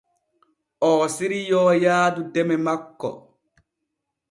Oo siriyoo yaadu deme makko.